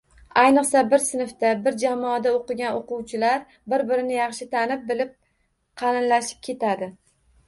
Ayniqsa, bir sinfda — bir jamoada oʻqigan oʻquvchilar bir-birini yaxshi tanib, bilib, qalinlashib ketadi.